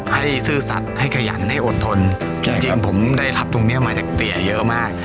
ซื่อสัตว์ให้ขยันให้อดทนจริงจริงผมได้รับตรงเนี้ยมาจากเตี๋ยเยอะมาก